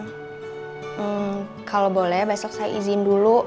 hmm kalau boleh besok saya izin dulu